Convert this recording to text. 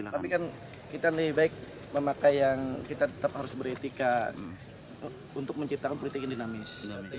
tapi kan kita lebih baik memakai yang kita tetap harus beretika untuk menciptakan politik yang dinamis